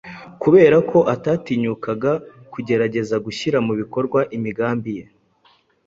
kubera ko atatinyukaga kugerageza gushyira mu bikorwa imigambi ye